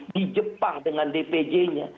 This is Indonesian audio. di jepang dengan dpj nya